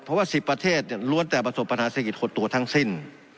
เพราะว่า๑๐ประเทศล้วนแต่ประสบปัญหาเศรษฐกิจหดตัวทั้งสิ้น